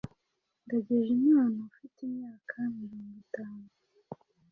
Ndagijimana ufite imyaka mirongwitanu,